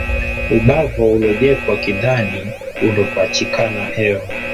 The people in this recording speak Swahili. Ubavo ulojepwa kidhani undopachikana eo.